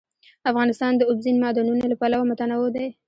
افغانستان د اوبزین معدنونه له پلوه متنوع دی.